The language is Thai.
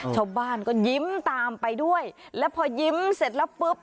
ชาวบ้านก็ยิ้มตามไปด้วยแล้วพอยิ้มเสร็จแล้วปุ๊บ